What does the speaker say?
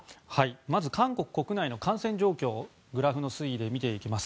まず韓国国内の感染状況グラフの推移で見ていきます。